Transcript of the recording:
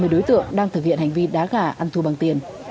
ba mươi đối tượng đang thực hiện hành vi đá gà ăn thu bằng tiền